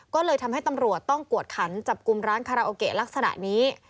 ก็เลยทำให้ตำรวจต้องกวดขันจับกลุ่มร้านคาราโอเกะลักษณะนี้